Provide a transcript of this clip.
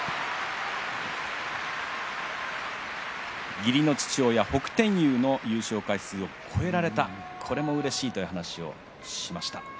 義理の父親北天佑の優勝回数を超えられたことがうれしいという話をしました。